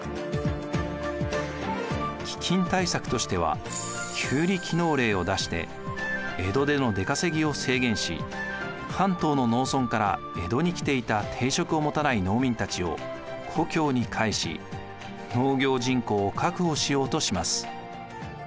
飢饉対策としては旧里帰農令を出して江戸での出稼ぎを制限し関東の農村から江戸に来ていた定職を持たない農民たちを故郷に帰し農業人口を確保しようとします。